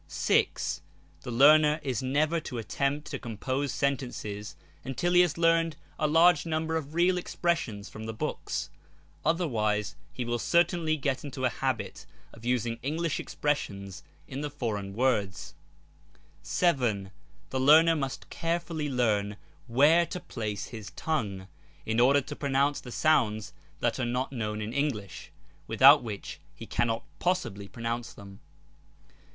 6. The learner is never to attempt to compose sentences until he has learned a large number of real expressions from the books, otherwise he will certainly get into a habit of using English expressions in the foreign words. B r.j «* ^Google ( 2 ) 7. The learner must carefully learn where to place his tongue, in order to pronounce the sounds that are not known, in English, without which he cannot possibly pro nounce them.